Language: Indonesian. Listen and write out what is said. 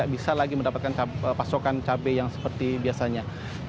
bisa lagi mendapatkan pasokan cabai yang seperti biasanya